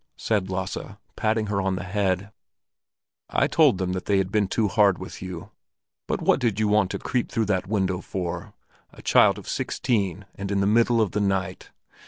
said Lasse, patting her on the head. "I told them they had been too hard with you. But what did you want to creep through that window for—a child of sixteen and in the middle of the night?